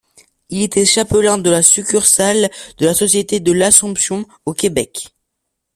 Il était chapelain de la succursale de la société de l'Assomption au Québec.